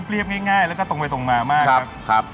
เรียบง่ายแล้วก็ตรงไปตรงมามากครับ